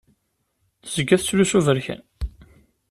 Tezga tettlusu aberkan.